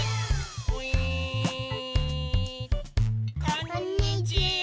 こんにちは。